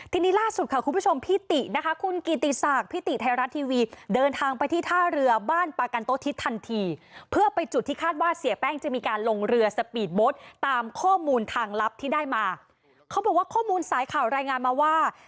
ทีนี้ล่าสุดค่ะคุณผู้ชมพี่ตินะคะคุณกีติศากพี่ติไทยรัสทีวีเดินทางไปที่ท่าเรือบ้านปากันโต๊ะทิศทันทีเพื่อไปจุดที่คาดว่าเสียแป้งจะมีการลงเรือสปีดโบ๊ทตามข้อมูลทางลับที่ได้มา